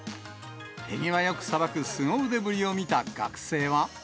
手際よくさばくすご腕ぶりを見た学生は。